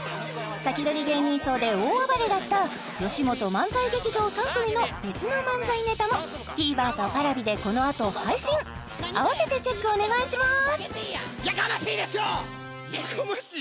サキドリ芸人ＳＨＯＷで大暴れだったよしもと漫才劇場３組の別の漫才ネタもＴＶｅｒとＰａｒａｖｉでこのあと配信合わせてチェックお願いします